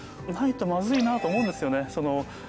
ないとまずいなぁと思うんですよね。